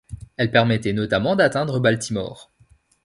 Elle permettait notamment d'atteindre Baltimore.